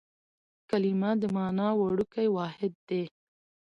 کلیمه د مانا وړوکی واحد دئ.